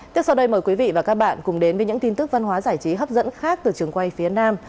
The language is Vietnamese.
tiếp sau đây mời quý vị và các bạn cùng đến với những tin tức văn hóa giải trí hấp dẫn khác từ trường quay phía nam